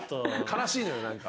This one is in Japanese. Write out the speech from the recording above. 悲しいのよ何か。